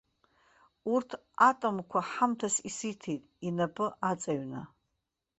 Урҭ атомқәа ҳамҭас исиҭеит, инапы аҵаҩны.